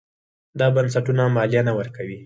دا بنسټونه مالیه نه ورکوي.